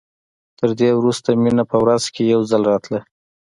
تر دې وروسته مينه په ورځ کښې يو ځل راتله.